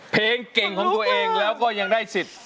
เพลงเก่งของตัวเองแล้วก็ยังได้สิทธิ์